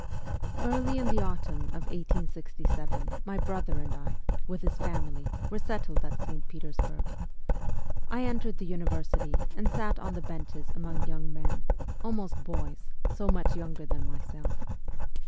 EARLY in the autumn of 1867 my brother and I, with his family, were settled at St. Petersburg. I entered the university, and sat on the benches among young men, almost boys, much younger than myself.